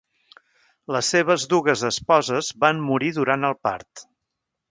Les seves dues esposes van morir durant el part.